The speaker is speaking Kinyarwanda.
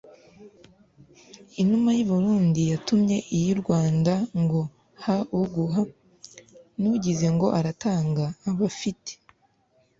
inuma y'i burundi yatumye kuy'i rwanda ngo ha uguha. n'ugize ngo aratanga aba afite